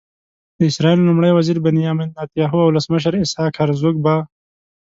د اسرائیلو لومړي وزير بنیامین نتنیاهو او ولسمشر اسحاق هرزوګ به.